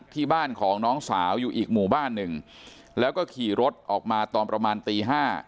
ที่บ้านของน้องสาวอยู่อีกหมู่บ้านหนึ่งแล้วก็ขี่รถออกมาตอนประมาณตีห้า